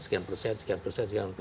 sekian persen sekian persen sekian persen